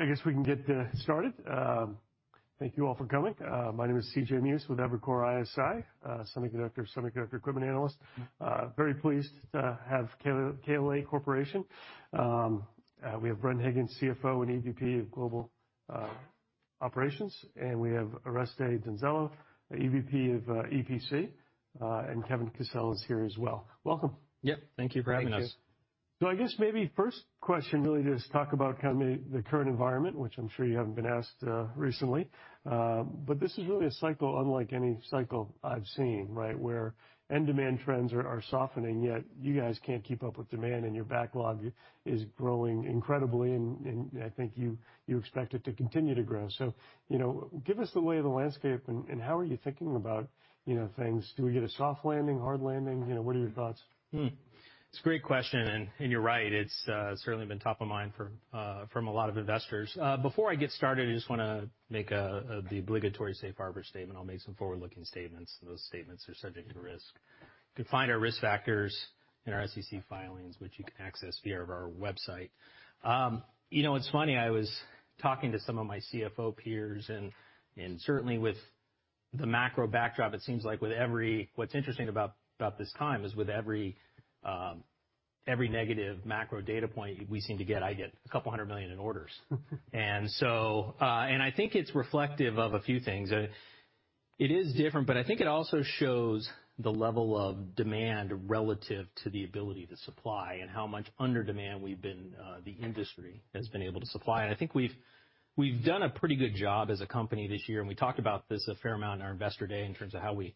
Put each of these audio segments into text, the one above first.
All right, I guess we can get started. Thank you all for coming. My name is C.J. Muse with Evercore ISI, semiconductor equipment analyst. Very pleased to have KLA Corporation. We have Bren Higgins, CFO and EVP of Global Operations, and we have Oreste Donzella, EVP of EPC, and Kevin Kessel is here as well. Welcome. Yep. Thank you for having us. Thank you. I guess maybe first question really just talk about kind of the current environment, which I'm sure you haven't been asked recently. This is really a cycle unlike any cycle I've seen, right? Where end demand trends are softening, yet you guys can't keep up with demand, and your backlog is growing incredibly, and I think you expect it to continue to grow. You know, give us the lay of the landscape and how are you thinking about, you know, things. Do we get a soft landing, hard landing? You know, what are your thoughts? It's a great question, and you're right. It's certainly been top of mind for a lot of investors. Before I get started, I just wanna make the obligatory safe harbor statement. I'll make some forward-looking statements, and those statements are subject to risk. You can find our risk factors in our SEC filings, which you can access via our website. You know, what's funny, I was talking to some of my CFO peers and certainly with the macro backdrop, it seems like what's interesting about this time is with every negative macro data point we seem to get, I get $100 million in orders. I think it's reflective of a few things. It is different, but I think it also shows the level of demand relative to the ability to supply and how much under demand we've been, the industry has been able to supply. I think we've done a pretty good job as a company this year, and we talked about this a fair amount in our Investor Day in terms of how we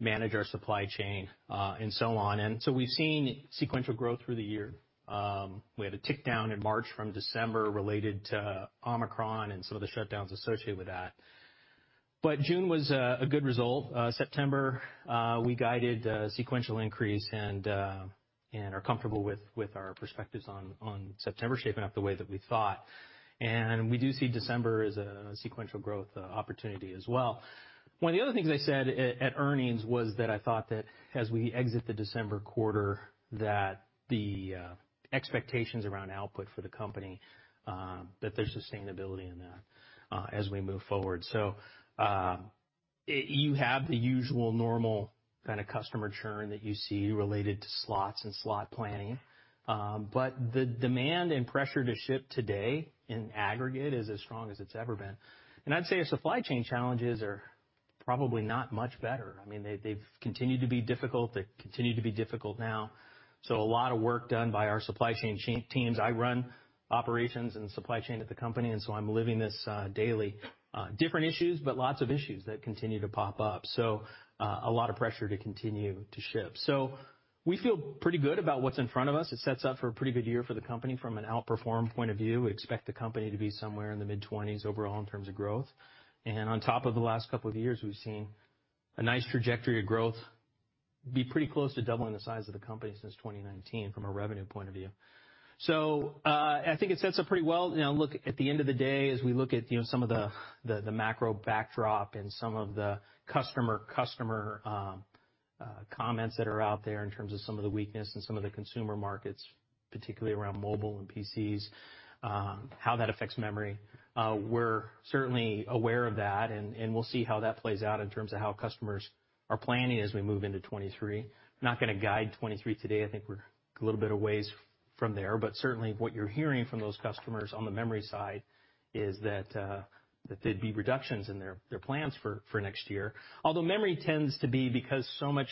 manage our supply chain, and so on. We've seen sequential growth through the year. We had a tick down in March from December related to Omicron and some of the shutdowns associated with that. But June was a good result. September, we guided a sequential increase and are comfortable with our perspectives on September shaping up the way that we thought. And we do see December as a sequential growth opportunity as well. One of the other things I said at earnings was that I thought that as we exit the December quarter, that the expectations around output for the company, that there's sustainability in that, as we move forward. You have the usual normal kind of customer churn that you see related to slots and slot planning. The demand and pressure to ship today in aggregate is as strong as it's ever been. I'd say supply chain challenges are probably not much better. I mean, they've continued to be difficult. They continue to be difficult now. A lot of work done by our supply chain teams. I run operations and supply chain at the company, and so I'm living this daily. Different issues, but lots of issues that continue to pop up. So a lot of pressure to continue to ship. So, we feel pretty good about what's in front of us. It sets up for a pretty good year for the company from an outperform point of view. We expect the company to be somewhere in the mid-20s overall in terms of growth. On top of the last couple of years, we've seen a nice trajectory of growth, be pretty close to doubling the size of the company since 2019 from a revenue point of view. I think it sets up pretty well. Now look, at the end of the day, as we look at, you know, some of the macro backdrop and some of the customer comments that are out there in terms of some of the weakness in some of the consumer markets, particularly around mobile and PCs, how that affects memory, we're certainly aware of that, and we'll see how that plays out in terms of how customers are planning as we move into 2023. Not gonna guide 2023 today. I think we're a little bit a ways from there. Certainly what you're hearing from those customers on the memory side is that there'd be reductions in their plans for next year. Although memory tends to be, because so much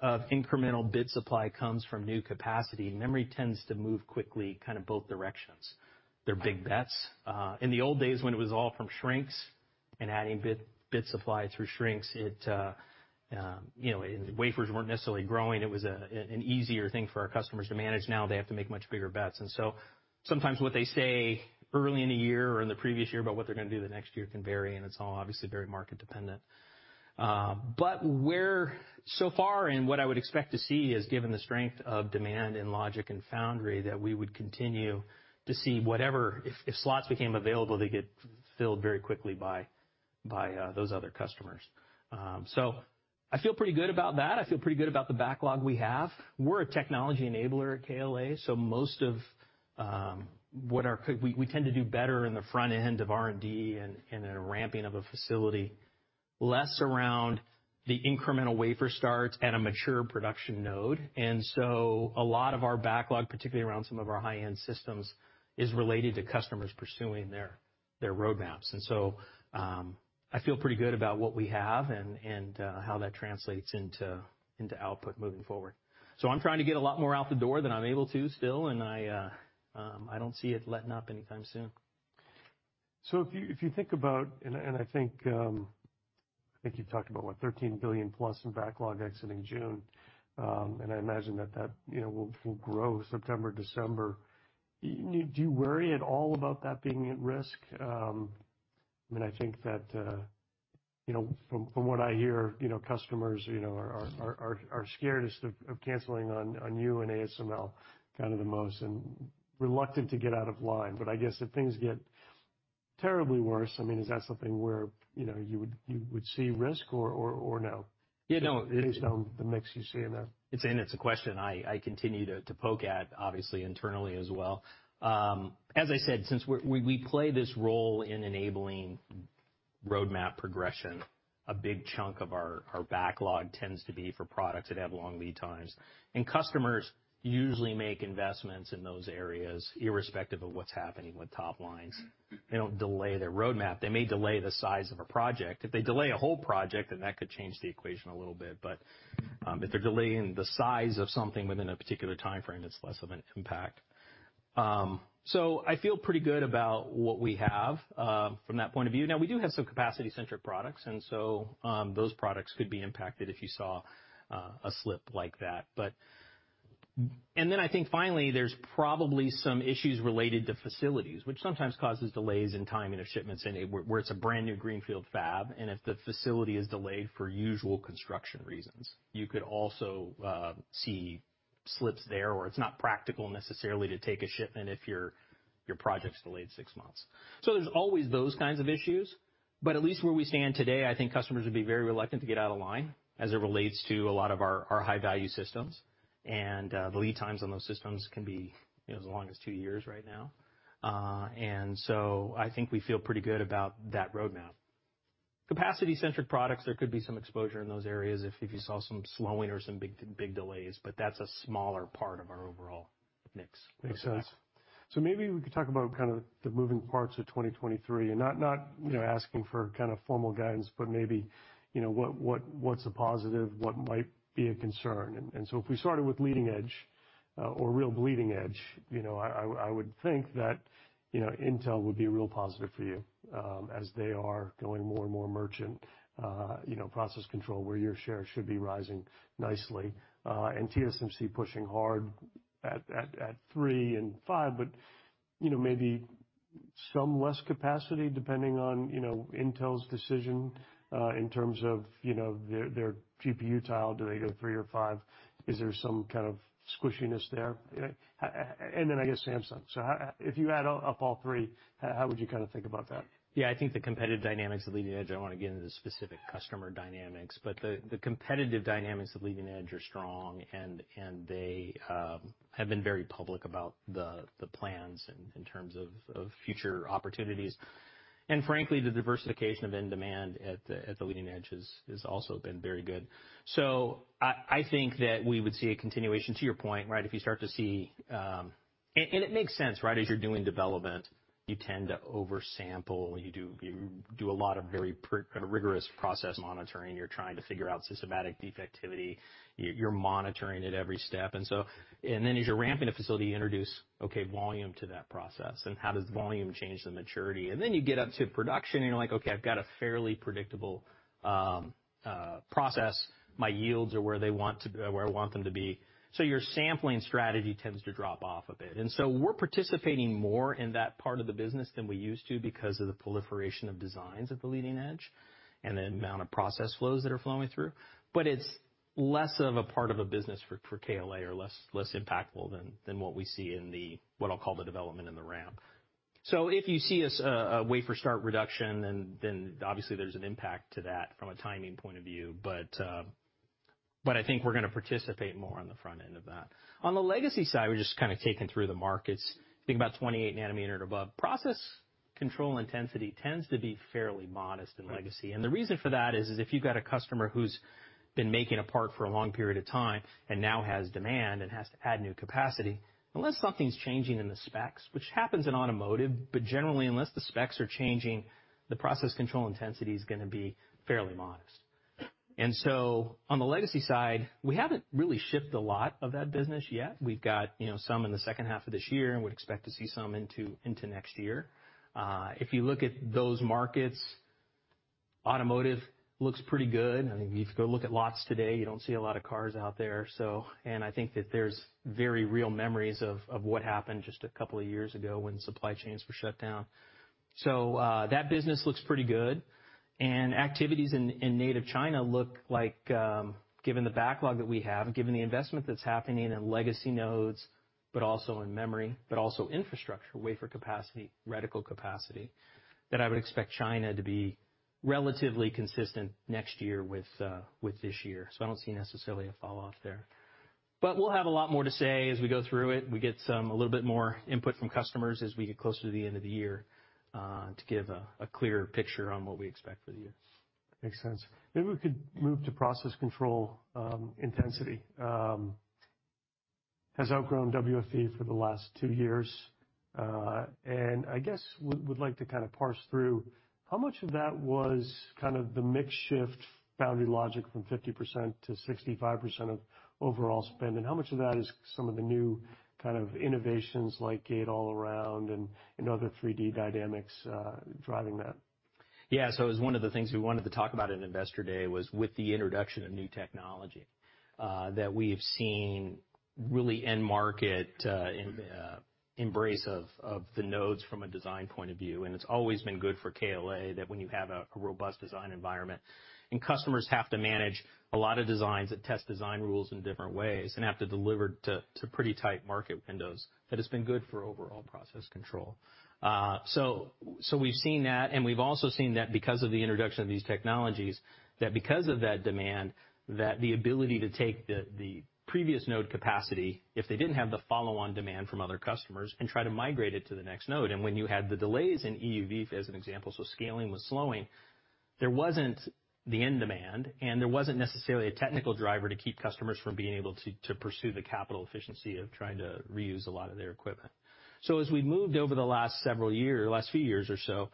of incremental bit supply comes from new capacity, memory tends to move quickly, kind of both directions. They're big bets. In the old days, when it was all from shrinks and adding bit supply through shrinks, you know, wafers weren't necessarily growing. It was an easier thing for our customers to manage. Now they have to make much bigger bets. Sometimes what they say early in the year or in the previous year about what they're gonna do the next year can vary, and it's all obviously very market dependent. But we're so far, and what I would expect to see is, given the strength of demand in logic and foundry, that we would continue to see whatever, if slots became available, they get filled very quickly by those other customers. I feel pretty good about that. I feel pretty good about the backlog we have. We're a technology enabler at KLA, so most of what we tend to do better in the front end of R&D and in a ramping of a facility, less around the incremental wafer starts at a mature production node. A lot of our backlog, particularly around some of our high-end systems, is related to customers pursuing their roadmaps. I feel pretty good about what we have and how that translates into output moving forward. I'm trying to get a lot more out the door than I'm able to still, and I don't see it letting up anytime soon. If you think about, I think you've talked about what, $13 billion+ in backlog exiting June, and I imagine that you know will grow September, December. Do you worry at all about that being at risk? I mean, I think that you know from what I hear you know customers are scariest of canceling on you and ASML kind of the most and reluctant to get out of line. I guess if things get terribly worse. I mean, is that something where you know you would see risk or no? You know. Based on the mix you see in the. It's a question I continue to poke at, obviously, internally as well. As I said, since we play this role in enabling roadmap progression, a big chunk of our backlog tends to be for products that have long lead times. Customers usually make investments in those areas irrespective of what's happening with top lines. They don't delay their roadmap. They may delay the size of a project. If they delay a whole project, that could change the equation a little bit. If they're delaying the size of something within a particular timeframe, it's less of an impact. I feel pretty good about what we have from that point of view. Now we do have some capacity-centric products. Those products could be impacted if you saw a slip like that. And I think finally, there's probably some issues related to facilities, which sometimes causes delays in timing of shipments where it's a brand-new greenfield fab, and if the facility is delayed for usual construction reasons, you could also see slips there where it's not practical necessarily to take a shipment if your project's delayed six months. There's always those kinds of issues, but at least where we stand today, I think customers would be very reluctant to get out of line as it relates to a lot of our high-value systems. The lead times on those systems can be, you know, as long as two years right now. I think we feel pretty good about that roadmap. Capacity-centric products, there could be some exposure in those areas if you saw some slowing or some big delays, but that's a smaller part of our overall mix. Makes sense. Maybe we could talk about kind of the moving parts of 2023, and not you know, asking for kind of formal guidance, but maybe, you know, what's a positive? What might be a concern? If we started with leading edge, or real bleeding edge, you know, I would think that, you know, Intel would be a real positive for you, as they are going more and more merchant, you know, process control where your share should be rising nicely. TSMC pushing hard at three and five, but you know, maybe some less capacity depending on, you know, Intel's decision, in terms of, you know, their GPU tile. Do they go three or five? Is there some kind of squishiness there? And then I guess Samsung. How, if you add up all three, how would you kind of think about that? Yeah. I think the competitive dynamics of leading edge. I don't wanna get into the specific customer dynamics, but the competitive dynamics of leading edge are strong and they have been very public about the plans in terms of future opportunities. Frankly, the diversification of end demand at the leading edge has also been very good. I think that we would see a continuation to your point, right? If you start to see and it makes sense, right? As you're doing development, you tend to oversample. You do a lot of very kind of rigorous process monitoring. You're trying to figure out systematic defectivity. You're monitoring it every step. Then as you're ramping a facility, you introduce, okay, volume to that process, and how does volume change the maturity? Then you get up to production and you're like, "Okay, I've got a fairly predictable process. My yields are where they want to be, where I want them to be." Your sampling strategy tends to drop off a bit. We're participating more in that part of the business than we used to because of the proliferation of designs at the leading edge and the amount of process flows that are flowing through. But it's less of a part of a business for KLA or less impactful than what we see in what I'll call the development in the ramp. If you see a wafer start reduction, then obviously there's an impact to that from a timing point of view. But I think we're gonna participate more on the front end of that. On the legacy side, we're just kind of talking through the markets, think about 28 nm and above. Process control intensity tends to be fairly modest in legacy. The reason for that is if you've got a customer who's been making a part for a long period of time and now has demand and has to add new capacity, unless something's changing in the specs, which happens in automotive, but generally unless the specs are changing, the process control intensity is gonna be fairly modest. On the legacy side, we haven't really shipped a lot of that business yet. We've got, you know, some in the second half of this year, and we'd expect to see some into next year. If you look at those markets, automotive looks pretty good. I mean, if you go look at lots today, you don't see a lot of cars out there. I think that there's very real memories of what happened just a couple of years ago when supply chains were shut down. That business looks pretty good. Activities in native China look like, given the backlog that we have and given the investment that's happening in legacy nodes, but also in memory, but also infrastructure, wafer capacity, reticle capacity, that I would expect China to be relatively consistent next year with this year. I don't see necessarily a fall off there. We'll have a lot more to say as we go through it. We get some a little bit more input from customers as we get closer to the end of the year to give a clearer picture on what we expect for the year. Makes sense. Maybe we could move to process control intensity. Has outgrown WFE for the last two years. I guess would like to kind of parse through how much of that was kind of the mix shift foundry logic from 50%-65% of overall spend, and how much of that is some of the new kind of innovations like gate-all-around and other 3D dynamics driving that? Yeah. It was one of the things we wanted to talk about at Investor Day was with the introduction of new technology that we have seen really end market embrace of the nodes from a design point of view. It's always been good for KLA that when you have a robust design environment and customers have to manage a lot of designs that test design rules in different ways and have to deliver to pretty tight market windows, that has been good for overall process control. We've seen that, and we've also seen that because of the introduction of these technologies, that because of that demand, that the ability to take the previous node capacity, if they didn't have the follow-on demand from other customers, and try to migrate it to the next node. When you had the delays in EUV, as an example, scaling was slowing, there wasn't the end demand, and there wasn't necessarily a technical driver to keep customers from being able to pursue the capital efficiency of trying to reuse a lot of their equipment. As we moved over the last few years or so,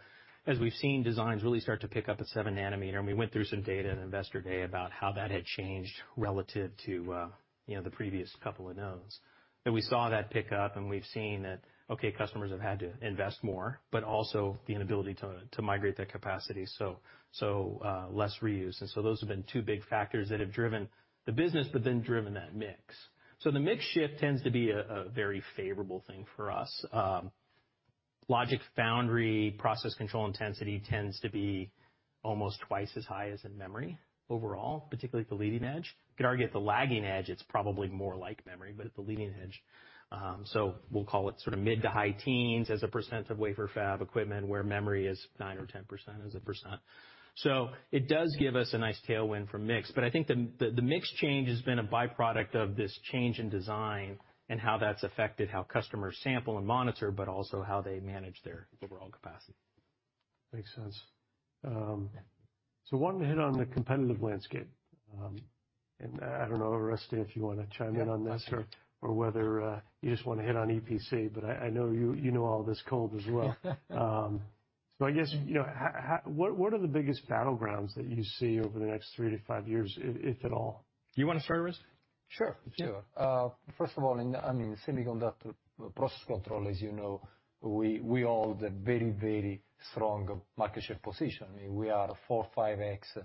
as we've seen designs really start to pick up at 7 nm, and we went through some data at Investor Day about how that had changed relative to the previous couple of nodes. We saw that pick up, and we've seen that, okay, customers have had to invest more, but also the inability to migrate that capacity, less reuse. Those have been two big factors that have driven the business, but then driven that mix. The mix shift tends to be a very favorable thing for us. Logic foundry process control intensity tends to be almost twice as high as in memory overall, particularly at the leading edge. You could argue at the lagging edge, it's probably more like memory, but at the leading edge. We'll call it sort of mid- to high-teens% of wafer fab equipment, where memory is 9% or 10% as a percent. It does give us a nice tailwind from mix. But I think the mix change has been a byproduct of this change in design and how that's affected how customers sample and monitor, but also how they manage their overall capacity. Makes sense. Why don't we hit on the competitive landscape? I don't know, Oreste, if you wanna chime in on this? Yeah. Whether you just wanna hit on EPC, but I know you know all this cold as well. I guess, you know, what are the biggest battlegrounds that you see over the next three to five years, if at all? You wanna start, Oreste? Sure. First of all, I mean, semiconductor process control, as you know, we hold a very strong market share position. We are 4-5x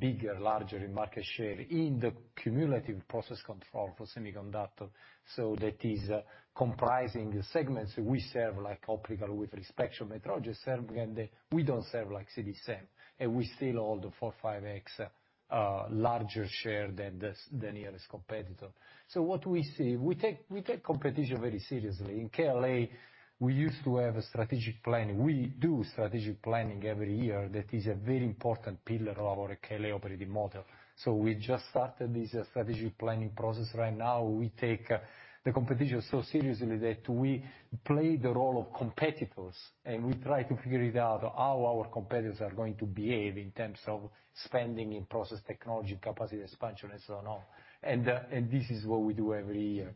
bigger, larger in market share in the cumulative process control for semiconductor, so that is comprising the segments we serve, like optical with respect to metrology serving, and then we don't serve, like, CD-SEM, and we still hold 4-5x larger share than the nearest competitor. What we see, we take competition very seriously. In KLA, we used to have a strategic planning. We do strategic planning every year. That is a very important pillar of our KLA operating model. So we just started this strategic planning process right now. We take the competition so seriously that we play the role of competitors, and we try to figure it out how our competitors are going to behave in terms of spending in process technology, capacity expansion, and so on. And this is what we do every year.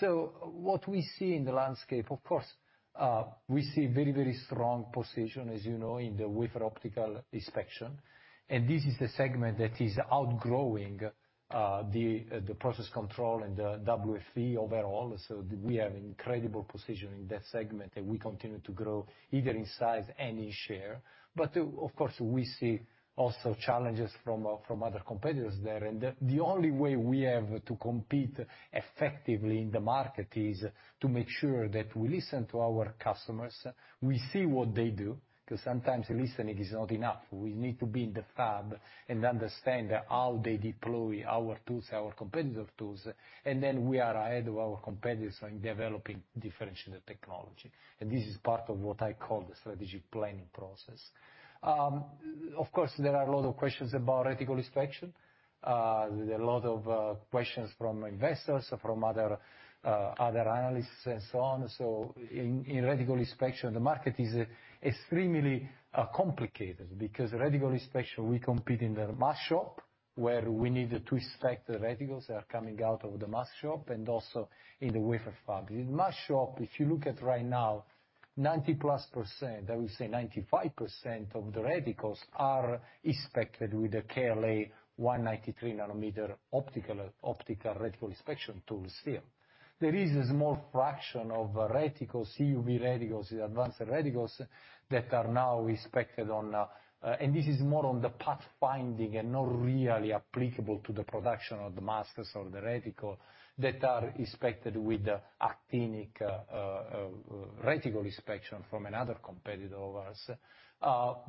So what we see in the landscape, of course, we see very, very strong position, as you know, in the optical wafer inspection. This is the segment that is outgrowing the process control and the WFE overall, so we have incredible position in that segment, and we continue to grow either in size and in share. Of course, we see also challenges from other competitors there. The only way we have to compete effectively in the market is to make sure that we listen to our customers, we see what they do, 'cause sometimes listening is not enough. We need to be in the fab and understand how they deploy our tools, our competitive tools, and then we are ahead of our competitors in developing differentiated technology. This is part of what I call the strategic planning process. Of course, there are a lot of questions about reticle inspection. There are a lot of questions from investors, from other analysts and so on. In reticle inspection, the market is extremely complicated because reticle inspection, we compete in the mask shop, where we need to inspect the reticles that are coming out of the mask shop and also in the wafer fab. In mask shop, if you look at right now, 90+%, I would say 95% of the reticles are inspected with the KLA 193-nanometer optical reticle inspection tools still. There is a small fraction of reticles, EUV reticles, the advanced reticles, that are now inspected on, and this is more on the path finding and not really applicable to the production of the masks or the reticle that are inspected with the actinic reticle inspection from another competitor of ours.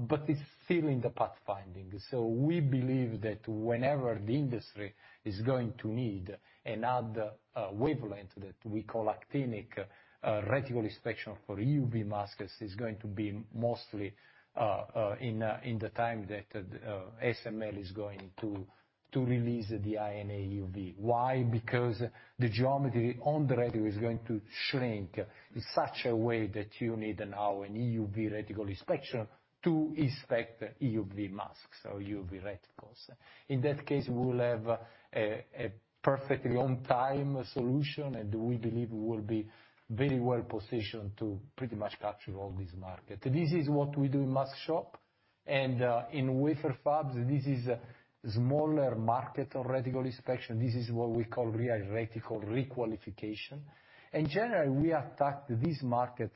But it's still in the path finding. We believe that whenever the industry is going to need another wavelength that we call actinic reticle inspection for EUV masks is going to be mostly in the time that ASML is going to release the High-NA EUV. Why? Because the geometry on the reticle is going to shrink in such a way that you need now an EUV reticle inspection to inspect EUV masks or EUV reticles. In that case, we will have a perfectly on time solution, and we believe we will be very well positioned to pretty much capture all this market. This is what we do in mask shop. In wafer fabs, this is a smaller market of reticle inspection. This is what we call reticle re-qualification. In general, we attack this market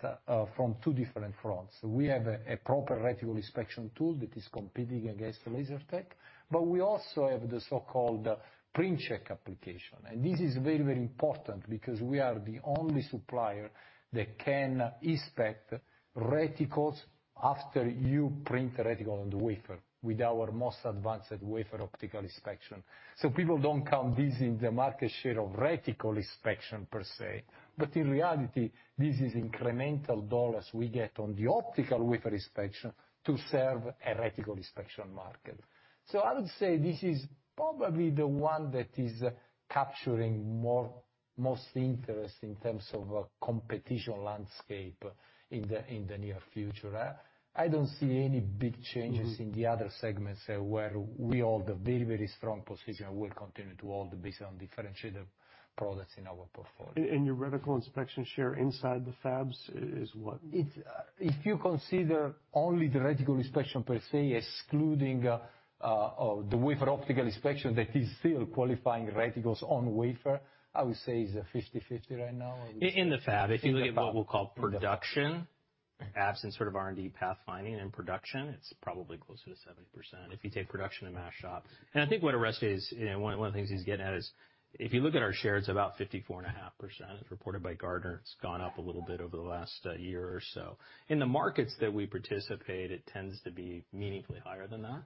from two different fronts. We have a proper reticle inspection tool that is competing against Lasertec, but we also have the so-called print check application. This is very, very important because we are the only supplier that can inspect reticles after you print the reticle on the wafer with our most advanced wafer optical inspection. People don't count this in the market share of reticle inspection per se, but in reality, this is incremental dollars we get on the optical wafer inspection to serve a reticle inspection market. I would say this is probably the one that is capturing more, most interest in terms of a competition landscape in the near future. I don't see any big changes in the other segments where we hold a very, very strong position and will continue to hold based on differentiated products in our portfolio. Your reticle inspection share inside the fabs is what? It's if you consider only the reticle inspection per se, excluding the wafer optical inspection that is still qualifying reticles on wafer, I would say it's 50/50 right now. In the fab. If you look at what we'll call production, absent sort of R&D pathfinding and production, it's probably closer to 70% if you take production and mask shop. I think what Oreste is, you know, one of the things he's getting at is if you look at our shares, about 54.5%, as reported by Gartner, it's gone up a little bit over the last year or so. In the markets that we participate, it tends to be meaningfully higher than that.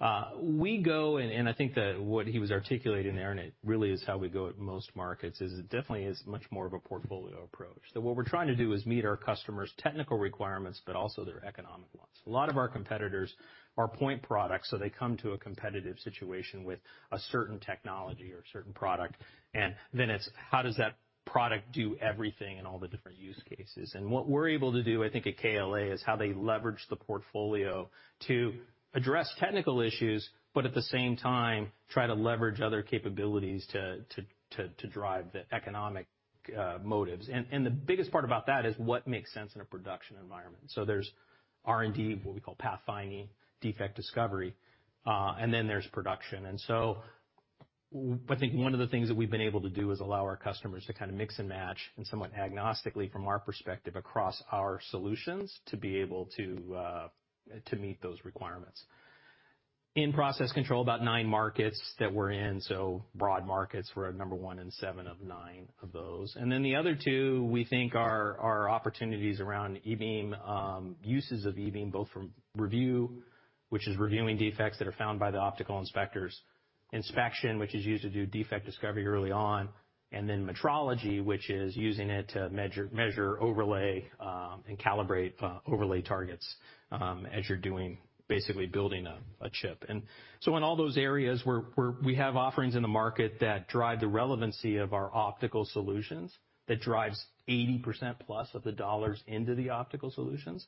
I think that what he was articulating there, and it really is how we go at most markets, is it definitely is much more of a portfolio approach. That what we're trying to do is meet our customers' technical requirements, but also their economic ones. A lot of our competitors are point products, so they come to a competitive situation with a certain technology or a certain product, and then it's how does that product do everything in all the different use cases? What we're able to do, I think at KLA, is how they leverage the portfolio to address technical issues, but at the same time, try to leverage other capabilities to drive the economic motives. The biggest part about that is what makes sense in a production environment. There's R&D, what we call pathfinding, defect discovery, and then there's production. And so I think one of the things that we've been able to do is allow our customers to kind of mix and match and somewhat agnostically from our perspective, across our solutions to be able to to meet those requirements. In process control, about nine markets that we're in, so broad markets, we're number one in seven of nine of those. Then the other two, we think are opportunities around e-beam, uses of e-beam, both from review, which is reviewing defects that are found by the optical inspectors. Inspection, which is used to do defect discovery early on, and then metrology, which is using it to measure overlay, and calibrate overlay targets, as you're doing, basically building a chip. In all those areas, we have offerings in the market that drive the relevancy of our optical solutions, that drives 80%+ of the dollars into the optical solutions,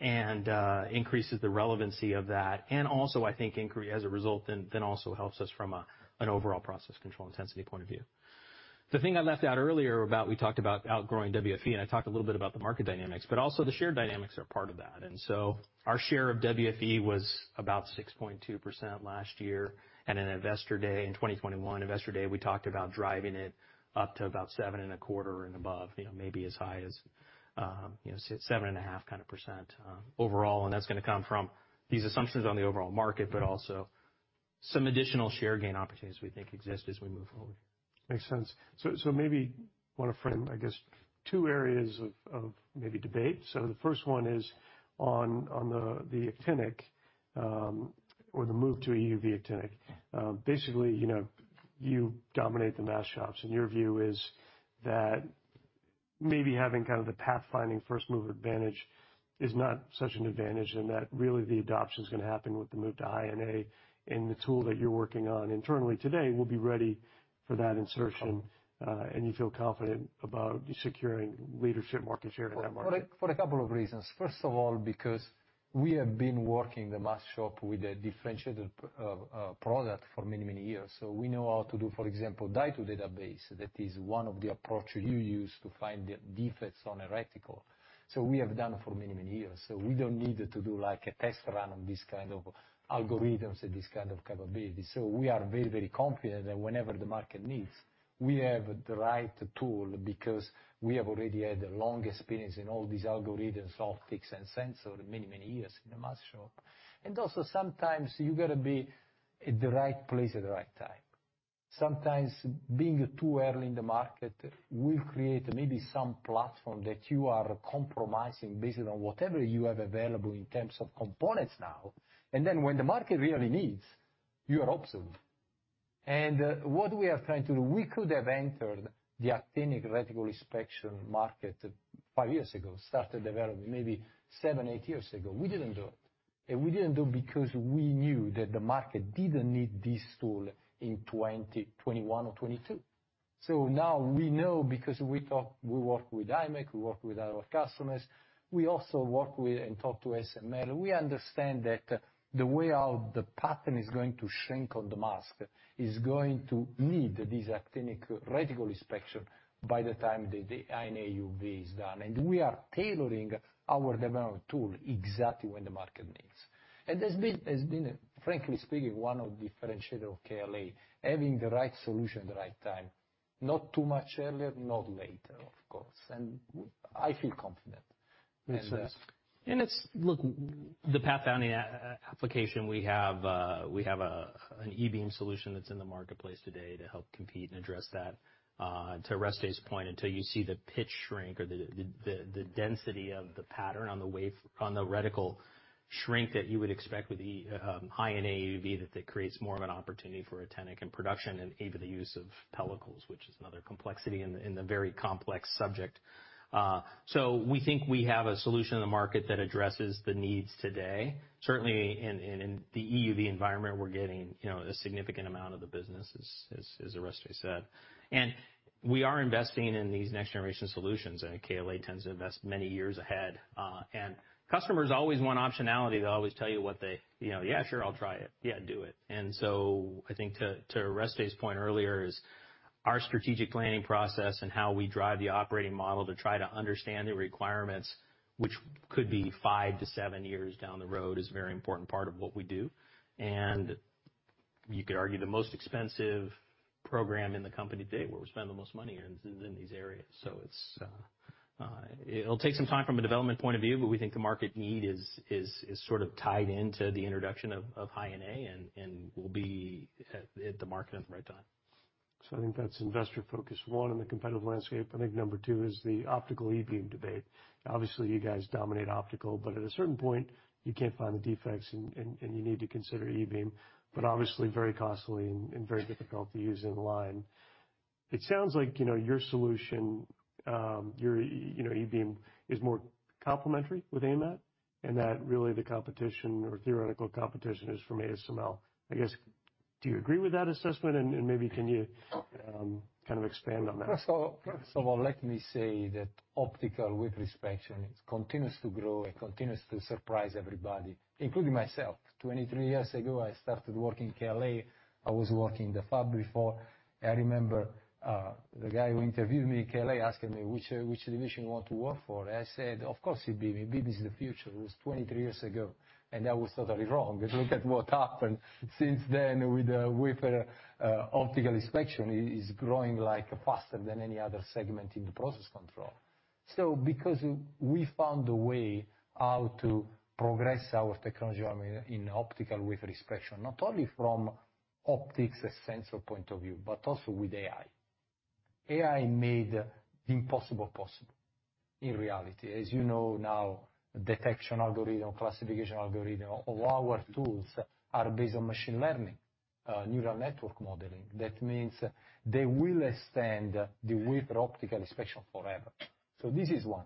and increases the relevancy of that. I think increasingly as a result, then also helps us from an overall process control intensity point of view. The thing I left out earlier about we talked about outgrowing WFE, and I talked a little bit about the market dynamics, but also the share dynamics are part of that. Our share of WFE was about 6.2% last year, and in Investor Day in 2021 Investor Day, we talked about driving it up to about 7.25 and above, you know, maybe as high as 7.5 Kind of percent, overall. That's gonna come from these assumptions on the overall market, but also some additional share gain opportunities we think exist as we move forward. Makes sense. Maybe wanna frame, I guess, two areas of maybe debate. So the first one is on the actinic, or the move to EUV actinic. Basically, you know, you dominate the mask shops, and your view is that maybe having kind of the pathfinding first-mover advantage is not such an advantage, and that really the adoption's gonna happen with the move to High-NA, and the tool that you're working on internally today will be ready for that insertion, and you feel confident about securing leadership market share in that market. For a couple of reasons. First of all, because we have been working the mask shop with a differentiated product for many, many years. We know how to do, for example, die-to-database. That is one of the approaches you use to find the defects on a reticle. We have done for many, many years. We don't need to do like a test run on this kind of algorithms and this kind of capability. We are very, very confident that whenever the market needs, we have the right tool because we have already had a long experience in all these algorithms, optics and sensors, many, many years in the mask shop. Also sometimes you gotta be at the right place at the right time. Sometimes being too early in the market will create maybe some platform that you are compromising based on whatever you have available in terms of components now. Then when the market really needs, you are absent. What we are trying to do, we could have entered the actinic reticle inspection market five years ago, started development maybe seven, eight years ago. We didn't do it. We didn't do it because we knew that the market didn't need this tool in 2021 or 2022. Now we know because we talk, we work with imec, we work with our customers. We also work with and talk to ASML. We understand that the way how the pattern is going to shrink on the mask is going to need this actinic reticle inspection by the time the High-NA EUV is done. We are tailoring our development tool to exactly what the market needs. That's been, frankly speaking, one of the differentiators of KLA, having the right solution at the right time, not too much earlier, not later, of course. I feel confident. Makes sense. Look, the pathfinding application we have, we have an E-beam solution that's in the marketplace today to help compete and address that. To Oreste's point, until you see the pitch shrink or the density of the pattern on the wafer, on the reticle shrink that you would expect with the High-NA EUV that creates more of an opportunity for actinic in production and even the use of pellicles, which is another complexity in the very complex subject. We think we have a solution in the market that addresses the needs today. Certainly in the EUV environment, we're getting, you know, a significant amount of the business, as Oreste said. We are investing in these next-generation solutions, and KLA tends to invest many years ahead. Customers always want optionality. They'll always tell you what they. You know, "Yeah, sure, I'll try it. Yeah, do it." I think to Oreste's point earlier is our strategic planning process and how we drive the operating model to try to understand the requirements, which could be five to seven years down the road, is a very important part of what we do. You could argue the most expensive program in the company today, where we spend the most money, is in these areas. It'll take some time from a development point of view, but we think the market need is sort of tied into the introduction of High-NA and we'll be at the market at the right time. I think that's investor FocusOne in the competitive landscape. I think number two is the optical e-beam debate. Obviously, you guys dominate optical, but at a certain point, you can't find the defects and you need to consider e-beam, but obviously very costly and very difficult to use in line. It sounds like, you know, your solution, your, you know, e-beam is more complementary with AMAT and that really the competition or theoretical competition is from ASML. I guess, do you agree with that assessment and maybe can you kind of expand on that? Let me say that optical with respect, you know, it continues to grow and continues to surprise everybody, including myself. 23 years ago, I started working KLA. I was working in the fab before. I remember the guy who interviewed me at KLA asking me which division you want to work for. I said, "Of course, e-beam. e-beam is the future." It was 23 years ago, and I was totally wrong because look at what happened since then with the wafer optical inspection is growing like faster than any other segment in the process control. Because we found a way how to progress our technology I mean in optical wafer inspection, not only from optics sensor point of view, but also with AI. AI made the impossible possible in reality. As you know now, detection algorithm, classification algorithm, all our tools are based on machine learning, neural network modeling. That means they will extend the wafer optical inspection forever. This is one.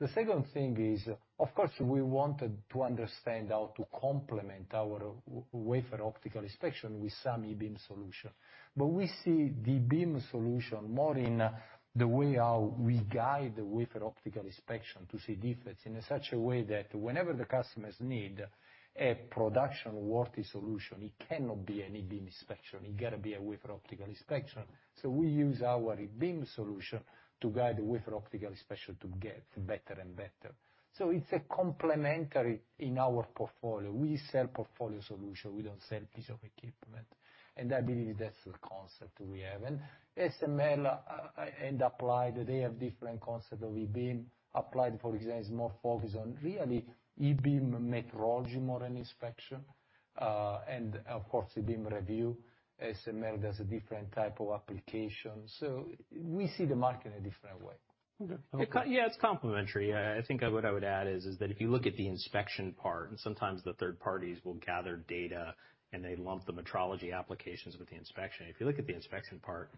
The second thing is, of course, we wanted to understand how to complement our wafer optical inspection with some E-beam solution. We see the E-beam solution more in the way how we guide the wafer optical inspection to see defects in such a way that whenever the customers need a production worthy solution, it cannot be an E-beam inspection. It gotta be a wafer optical inspection. We use our E-beam solution to guide the wafer optical inspection to get better and better. It's a complementary in our portfolio. We sell portfolio solution. We don't sell piece of equipment, and I believe that's the concept we have. ASML and Applied, they have different concept of e-beam. Applied, for example, is more focused on really e-beam metrology more than inspection. And of course, e-beam review, ASML does a different type of application. We see the market in a different way. Okay. Yeah, it's complementary. I think what I would add is that if you look at the inspection part, and sometimes the third parties will gather data and they lump the metrology applications with the inspection. If you look at the inspection part,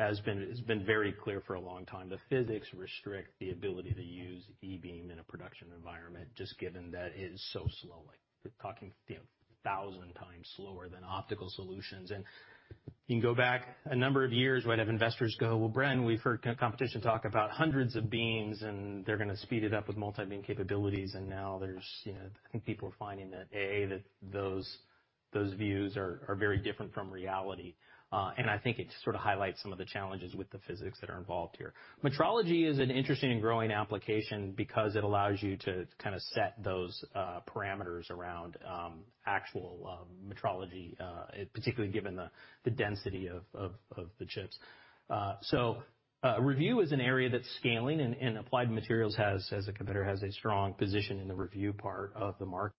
it's been very clear for a long time, the physics restrict the ability to use e-beam in a production environment, just given that it is so slow. Like, we're talking, you know, 1,000 times slower than optical solutions. You can go back a number of years, we'd have investors go, "Well, Bren, we've heard competition talk about hundreds of beams, and they're gonna speed it up with multi-beam capabilities." Now there's, you know, I think people are finding that, A, that those views are very different from reality. I think it just sort of highlights some of the challenges with the physics that are involved here. Metrology is an interesting and growing application because it allows you to kind of set those parameters around actual metrology, particularly given the density of the chips. Review is an area that's scaling, and Applied Materials has, as a competitor, a strong position in the review part of the market.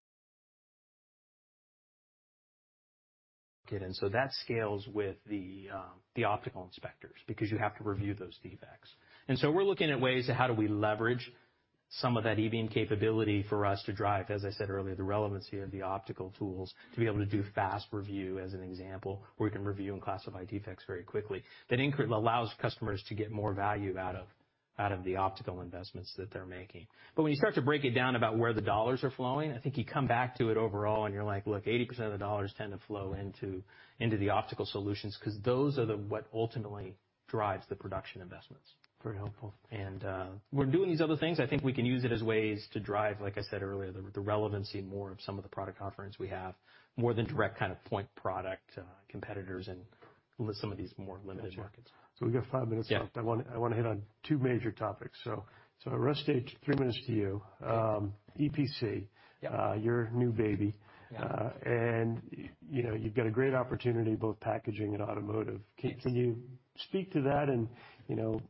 That scales with the optical inspectors because you have to review those defects. We're looking at ways to how do we leverage some of that e-beam capability for us to drive, as I said earlier, the relevancy of the optical tools to be able to do fast review, as an example, where we can review and classify defects very quickly. That allows customers to get more value out of the optical investments that they're making. When you start to break it down about where the dollars are flowing, I think you come back to it overall and you're like, "Look, 80% of the dollars tend to flow into the optical solutions," 'cause those are what ultimately drives the production investments. Very helpful. We're doing these other things. I think we can use it as ways to drive, like I said earlier, the relevancy more of some of the product offerings we have, more than direct kind of point product, competitors in some of these more limited markets. We got 5 minutes left. Yeah. I wanna hit on two major topics. Oreste Donzella, three minutes to you. EPC Yeah. your new baby. Yeah. You know, you've got a great opportunity, both packaging and automotive. Yes. Can you speak to that and, you know?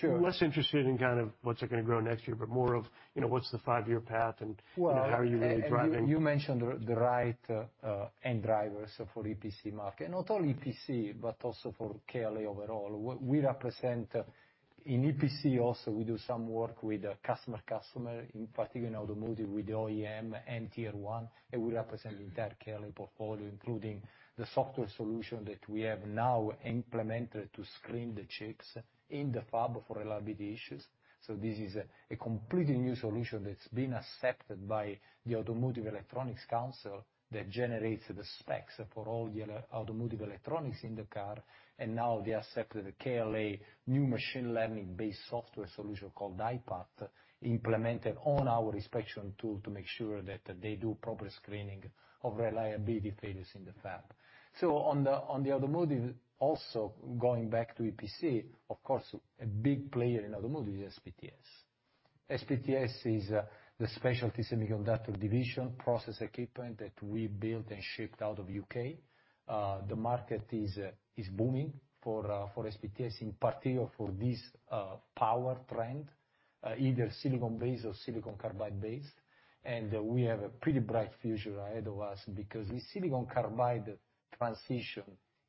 Sure. Less interested in kind of what's it gonna grow next year, but more of, you know, what's the five-year path and, you know, how are you really driving. Well, you mentioned the right end drivers for EPC market, not only EPC, but also for KLA overall. What we represent in EPC also, we do some work with a customer in particular in automotive with OEM and Tier 1, and we represent the entire KLA portfolio, including the software solution that we have now implemented to screen the chips in the fab for reliability issues. So this is a completely new solution that's been accepted by the Automotive Electronics Council that generates the specs for all the automotive electronics in the car. Now they accepted the KLA new machine learning-based software solution called I-PAT, implemented on our inspection tool to make sure that they do proper screening of reliability failures in the fab. On the automotive also, going back to EPC, of course, a big player in automotive is SPTS. SPTS is the specialty semiconductor division process equipment that we built and shipped out of U.K. The market is booming for SPTS, in particular for this power trend, either silicon-based or silicon carbide-based. We have a pretty bright future ahead of us because the silicon carbide transition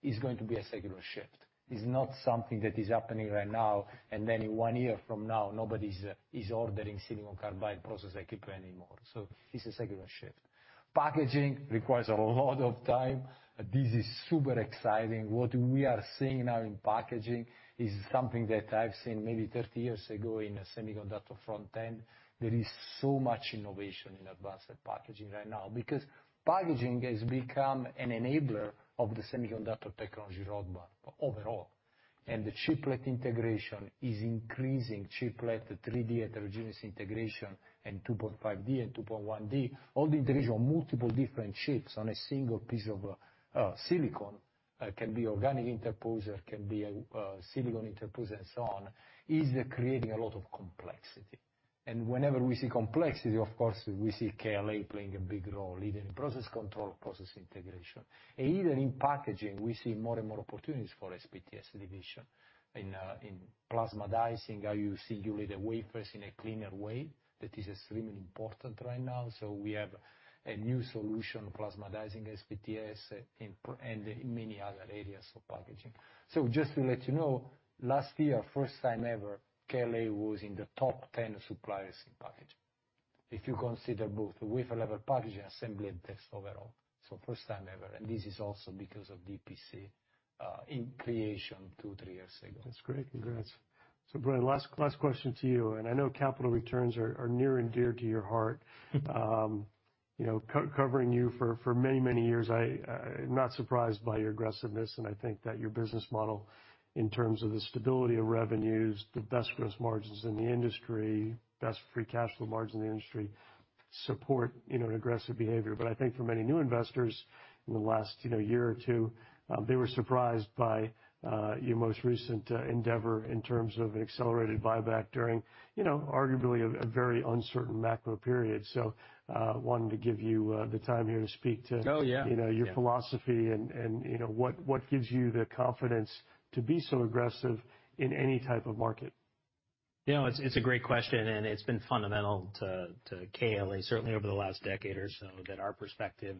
is going to be a secular shift. It's not something that is happening right now, and then in one year from now, nobody is ordering silicon carbide process equipment anymore. It's a secular shift. Packaging requires a lot of time. This is super exciting. What we are seeing now in packaging is something that I've seen maybe 30 years ago in a semiconductor front end. There is so much innovation in advanced packaging right now because packaging has become an enabler of the semiconductor technology roadmap overall. The chiplet integration is increasing. Chiplet, 3D heterogeneous integration and 2.5D and 2.1D, all the integration of multiple different chips on a single piece of silicon, can be organic interposer, can be a silicon interposer and so on, is creating a lot of complexity. Whenever we see complexity, of course, we see KLA playing a big role in process control, process integration. Even in packaging, we see more and more opportunities for SPTS division. In plasma dicing, how you singulate wafers in a cleaner way, that is extremely important right now. We have a new solution, plasma dicing SPTS, in, and in many other areas of packaging. Just to let you know, last year, first time ever, KLA was in the top 10 suppliers in packaging. If you consider both the wafer level packaging, assembly and test overall. First time ever, and this is also because of EPC inception two to three years ago. That's great. Congrats. So Bren, last question to you, and I know capital returns are near and dear to your heart. You know, co-covering you for many years, I am not surprised by your aggressiveness. I think that your business model in terms of the stability of revenues, the best gross margins in the industry, best free cash flow margin in the industry, support you know, an aggressive behavior. I think for many new investors in the last you know, year or two, they were surprised by your most recent endeavor in terms of accelerated buyback during you know, arguably a very uncertain macro period. Wanting to give you the time here to speak to- Oh, yeah. You know, your philosophy and you know, what gives you the confidence to be so aggressive in any type of market? You know, it's a great question, and it's been fundamental to KLA, certainly over the last decade or so, that our perspective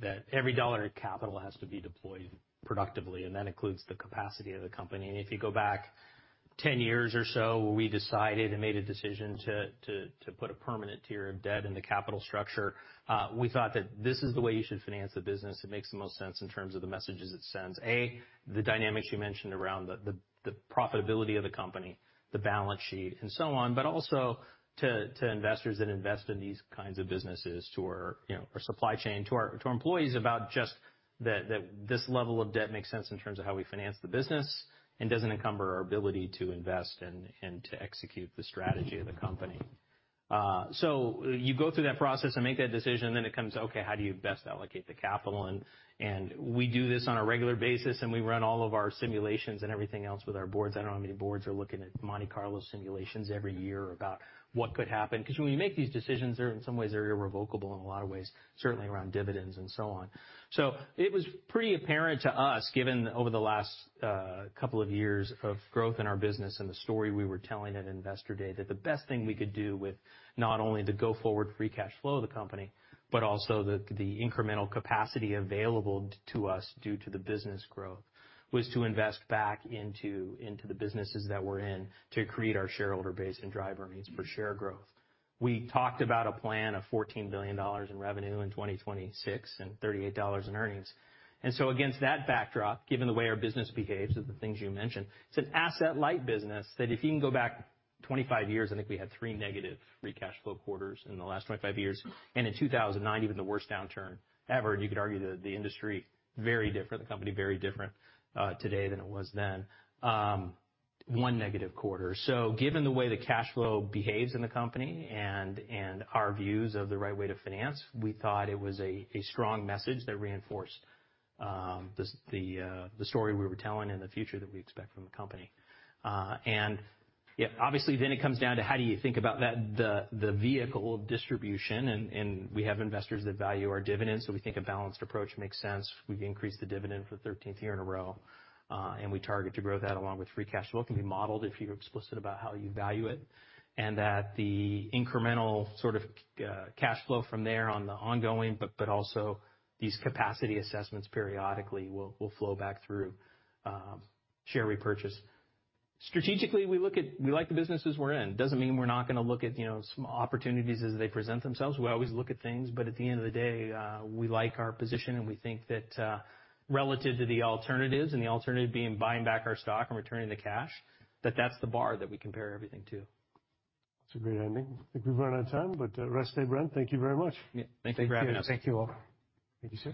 that every dollar in capital has to be deployed productively, and that includes the capacity of the company. If you go back ten years or so, where we decided to put a permanent tier of debt in the capital structure, we thought that this is the way you should finance the business. It makes the most sense in terms of the messages it sends. A, the dynamics you mentioned around the profitability of the company, the balance sheet, and so on. But also to investors that invest in these kinds of businesses, to our you know our supply chain, to our employees about just that this level of debt makes sense in terms of how we finance the business and doesn't encumber our ability to invest and to execute the strategy of the company. You go through that process and make that decision, then it comes, okay, how do you best allocate the capital? We do this on a regular basis, and we run all of our simulations and everything else with our boards. I don't know how many boards are looking at Monte Carlo simulations every year about what could happen. 'Cause when you make these decisions, they're in some ways irrevocable in a lot of ways, certainly around dividends and so on. It was pretty apparent to us, given over the last couple of years of growth in our business and the story we were telling at Investor Day, that the best thing we could do with not only the go-forward free cash flow of the company, but also the incremental capacity available to us due to the business growth, was to invest back into the businesses that we're in to create our shareholder base and drive earnings per share growth. We talked about a plan of $14 billion in revenue in 2026 and $38 in earnings. Against that backdrop, given the way our business behaves, the things you mentioned, it's an asset-light business that if you can go back 25 years, I think we had 3- free cash flow quarters in the last 25 years. In 2009, even the worst downturn ever, and you could argue the industry, very different, the company, very different, today than it was then, 1- quarter. Given the way the cash flow behaves in the company and our views of the right way to finance, we thought it was a strong message that reinforced the story we were telling and the future that we expect from the company. Yeah, obviously, then it comes down to how do you think about that, the vehicle distribution, and we have investors that value our dividends. We think a balanced approach makes sense. We've increased the dividend for the thirteenth year in a row, and we target to grow that along with free cash flow. It can be modeled if you're explicit about how you value it. That the incremental sort of cash flow from there on the ongoing, but also these capacity assessments periodically will flow back through share repurchase. Strategically, we look at. We like the businesses we're in. Doesn't mean we're not gonna look at, you know, opportunities as they present themselves. We always look at things, but at the end of the day, we like our position and we think that, relative to the alternatives, and the alternative being buying back our stock and returning the cash, that that's the bar that we compare everything to. That's a great ending. I think we've run out of time, but, Oreste Donzella, Bren Higgins. Thank you very much. Thank you all. Thank you, sir.